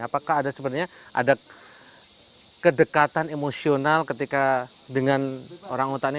apakah ada sebenarnya ada kedekatan emosional ketika dengan orangutan ini